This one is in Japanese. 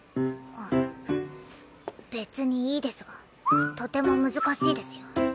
えっ別にいいですがとても難しいですよ。